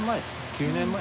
９年前？